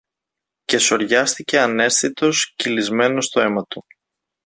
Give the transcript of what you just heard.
Και σωριάστηκε αναίσθητος, κυλισμένος στο αίμα του.